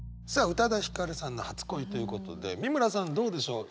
宇多田ヒカルさんの「初恋」ということで美村さんどうでしょう？